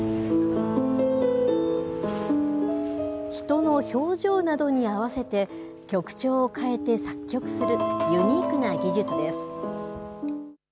人の表情などに合わせて、曲調を変えて作曲するユニークな技術です。